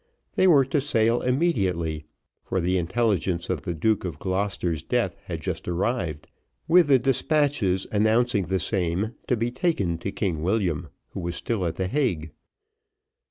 They were to sail immediately, for the intelligence of the Duke of Gloucester's death had just arrived with the despatches, announcing the same to be taken to King William, who was still at the Hague.